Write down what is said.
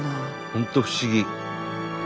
本当不思議。